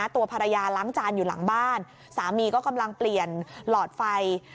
ตัวภรรยาล้างจานอยู่หลังบ้านสามีก็กำลังเปลี่ยนหลอดไฟ